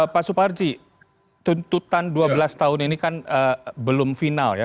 pak suparji tuntutan dua belas tahun ini kan belum final ya